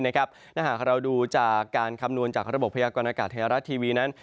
ถ้าหากเราดูจากการคำนวณจากระบบพยากรณากาศไทยรัฐทีวีนั้น